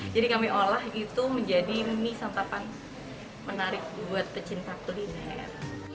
jadi kami olah itu menjadi mie santapan menarik buat pecinta kuliner